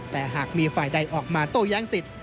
แต่หากมีฝ่ายใดออกมาโต้แย้งสิทธิ